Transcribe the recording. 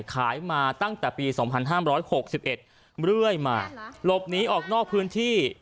ขายมาตั้งแต่ปีสองพันห้ามร้อยหกสิบเอ็ดเรื่อยมารบหนีออกนอกพื้นที่